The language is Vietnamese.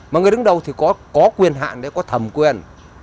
mà người đứng đầu thì có quyền hạn đấy có thầm quyền